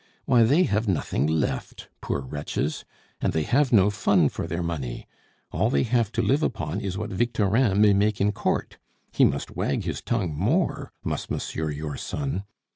Why, they have nothing left, poor wretches! And they have no fun for their money. All they have to live upon is what Victorin may make in Court. He must wag his tongue more, must monsieur your son!